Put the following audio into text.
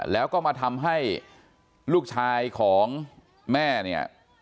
แล้วก็มาทำให้ลูกชายของแม่เนี่ย